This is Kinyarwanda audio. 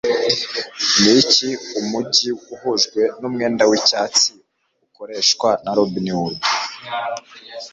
Niki Umujyi Uhujwe Numwenda Wicyatsi Ukoreshwa na Robin Hood